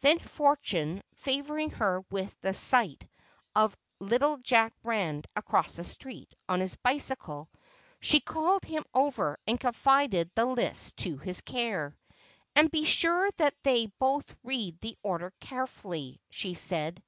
Then Fortune favoring her with the sight of little Jack Rand across the street, on his bicycle, she called him over and confided the list to his care. "And be sure that they both read the order carefully," she said.